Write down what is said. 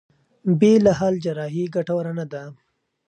بې له حل جراحي ګټوره نه ده.